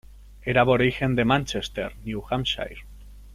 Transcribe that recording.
Era aborigen de Manchester, New Hampshire.